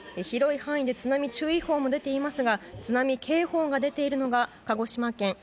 広い範囲で津波注意報も出ていますが津波警報が出ているのが鹿児島県